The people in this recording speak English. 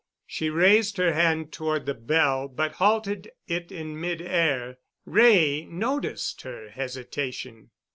She raised her hand toward the bell, but halted it in midair. Wray noticed her hesitation.